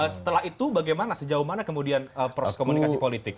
setelah itu bagaimana sejauh mana kemudian proses komunikasi politik